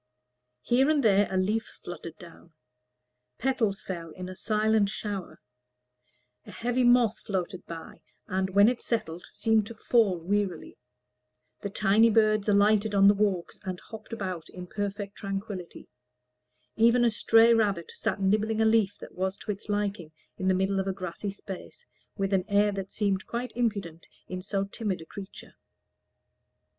Here and there a leaf fluttered down; petals fell in a silent shower; a heavy moth fluttered by, and, when it settled, seemed to fall wearily; the tiny birds alighted on the walks, and hopped about in perfect tranquillity; even a stray rabbit sat nibbling a leaf that was to its liking, in the middle of a grassy space, with an air that seemed quite impudent in so timid a creature.